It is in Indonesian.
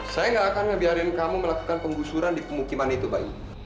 saya nggak akan ngebiarin kamu melakukan penggusuran di pemukiman itu baik